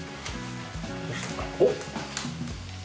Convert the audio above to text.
おっ！